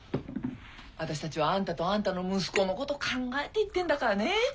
私たちはあんたとあんたの息子のこと考えて言ってんだからね。